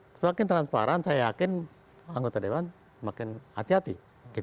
semakin transparan saya yakin anggota dewan makin hati hati